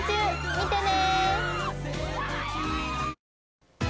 見てね。